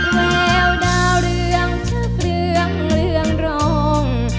แววดาวเรืองชื่อเรืองเรืองรอง